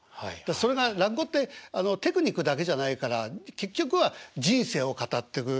それが落語ってテクニックだけじゃないから結局は人生を語ってく。